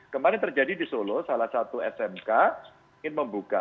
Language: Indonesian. kemarin terjadi di solo salah satu smk ingin membuka